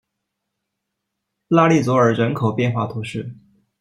拉利佐尔人口变化图示